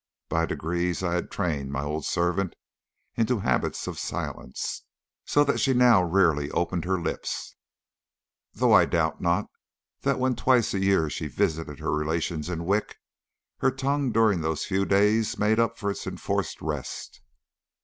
By degrees I had trained my old servant into habits of silence, so that she now rarely opened her lips, though I doubt not that when twice a year she visited her relations in Wick, her tongue during those few days made up for its enforced rest.